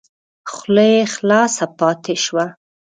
خوله یې خلاصه پاته شوه !